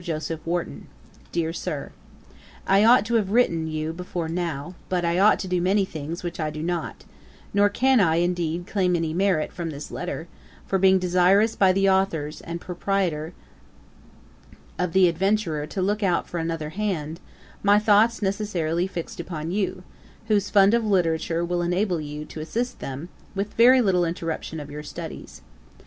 JOSEPH WARTON. 'DEAR SIR, 'I ought to have written to you before now, but I ought to do many things which I do not; nor can I, indeed, claim any merit from this letter; for being desired by the authours and proprietor of The Adventurer to look out for another hand, my thoughts necessarily fixed upon you, whose fund of literature will enable you to assist them, with very little interruption of your studies.